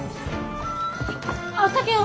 あっ竹雄！